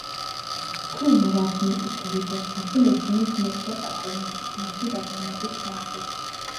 თურმე, რაც მეტი ფული დევს საფულეში, მით მეტია პატრონისთვის მისი დაბრუნების შანსი.